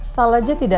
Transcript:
salah aja tidak